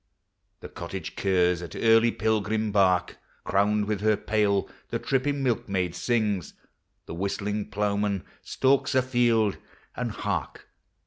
The cottage curs at early pilgrim bark; Crowned with her pail the tripping milkmaid sings; The whistling ploughman stalks atield; and, hark